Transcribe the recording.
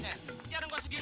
hei berada di gigi lu